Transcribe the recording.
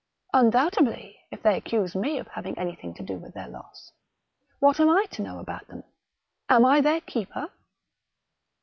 " Undoubtedly, if they accuse me of having anything to do with their loss. What am I to know about them, am I their keeper